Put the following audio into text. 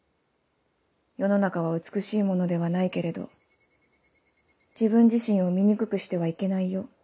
世の中は美しいものではないけれど自分自身を醜くしてはいけないよ」。